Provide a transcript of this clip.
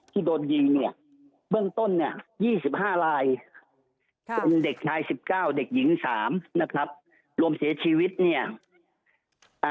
ที่โดดยืนเบื้องต้น๒๕ลายเด็กทาย๑๙เด็กหญิง๓รวมเสียชีวิต